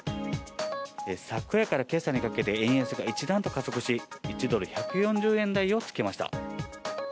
昨夜から今朝にかけて円安が一段と加速し１ドル＝１４０円台をつけました。